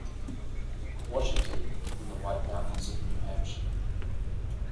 Washington, in the White Mountains of New Hampshire.